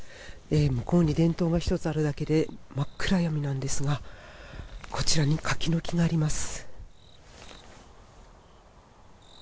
向こうに電灯が１つあるだけで真っ暗闇なんですがこちらに柿の木があります。